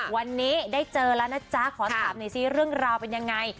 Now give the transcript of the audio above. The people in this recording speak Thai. วันนี้ได้เจอแล้วนะจ๊ะขอถามหน่อยซิเรื่องราวเป็นยังไง